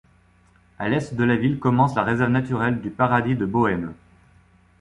À l'est de la ville commence la réserve naturelle du Paradis de Bohême.